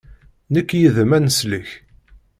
Nekk yid-m ad neslek.